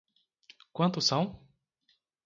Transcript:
Quantos são?